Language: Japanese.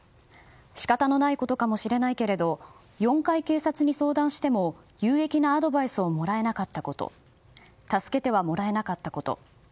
仕方のないことかもしれないけれど４回、警察に相談しても有益なアドバイスをもらえなかったこと助けてはもらえなかったこと。